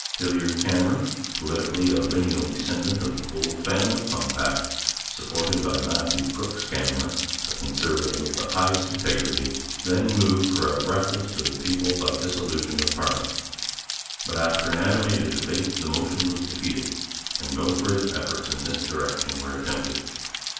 Hillyard Cameron, politically a lineal descendant of the old Family Compact, supported by Matthew Crooks Cameron, a Conservative of the highest integrity and afterwards chief justice, then moved for a reference to the people by a dissolution of parliament. But after an animated debate the motion was defeated, and no further efforts in this direction were attempted.